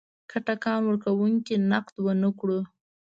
که ټکان ورکونکی نقد ونه کړو.